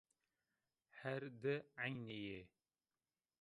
Her di eynî yê